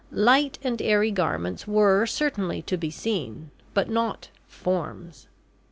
Light and airy garments were, certainly, to be seen, but not forms.